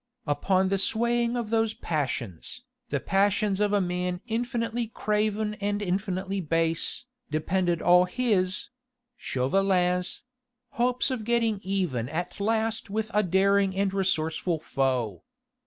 Upon the swaying of those passions, the passions of a man infinitely craven and infinitely base, depended all his Chauvelin's hopes of getting even at last with a daring and resourceful foe.